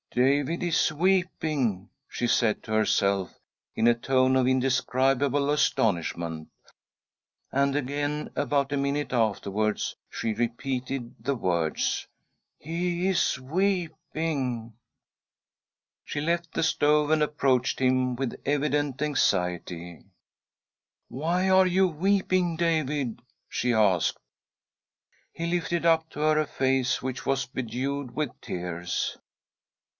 " David is weeping !" she said to herself, in a tone of indescribable astonishment ; and again, about a minute afterwards, she repeated the words :" He is weeping !" She left the stove and approached him with evident anxiety. " Why are you weeping, David ?" she asked. He lifted up to her a face which was bedewed with tears.